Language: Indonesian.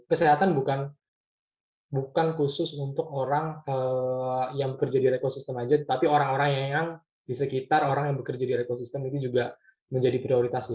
kesehatan bukan khusus untuk orang yang bekerja di rekosistem aja tapi orang orang yang di sekitar orang yang bekerja di ekosistem itu juga menjadi prioritas